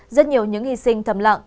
rất nhiều những hy sinh thầm lặng